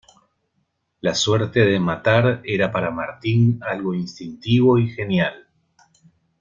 La suerte de matar era para Martín algo instintivo y genial.